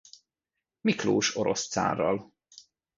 Miklós orosz cárral.